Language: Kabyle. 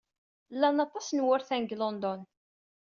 Llan aṭas n wurtan deg London.